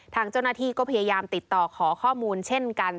ทางเจ้าหน้าที่ก็พยายามติดต่อขอข้อมูลเช่นกัน